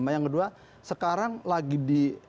nah yang kedua sekarang lagi di